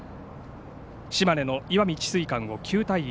島根の石見智翠館を９対１。